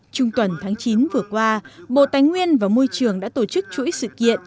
trung tuần tháng chín vừa qua bộ tài nguyên và môi trường đã tổ chức chuỗi sự kiện